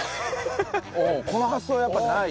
この発想やっぱりない。